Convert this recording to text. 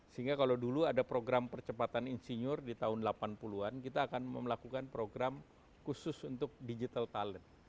sehingga kalau dulu ada program percepatan insinyur di tahun delapan puluh an kita akan melakukan program khusus untuk digital talent